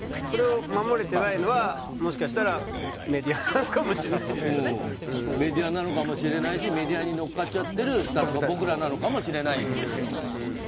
守れてないのはもしかしたらメディアなのかもメディアなのかもしれないしメディアに乗っかっちゃってる僕らなのかもしれないですよ。